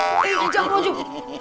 eh jangan wajum